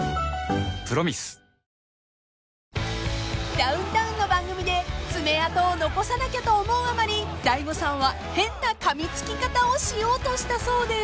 ［ダウンタウンの番組で爪痕を残さなきゃと思うあまり大悟さんは変なかみつき方をしようとしたそうで］